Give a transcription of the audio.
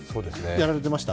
やられてました？